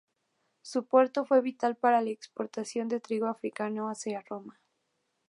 Su puerto fue vital para la exportación de trigo africano hacia Roma.